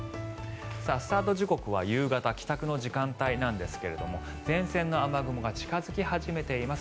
スタート時刻は夕方帰宅時間帯なんですが前線の雨雲が近付き始めています。